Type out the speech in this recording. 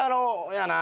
やな。